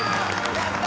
やった！